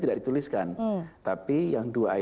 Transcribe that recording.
tidak dituliskan tapi yang